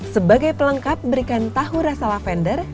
sebagai pelengkap berikan tahu rasa lavender